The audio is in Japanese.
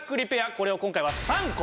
これを今回は３個。